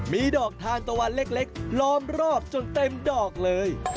มีดอกทานตะวันเล็กล้อมรอบจนเต็มดอกเลย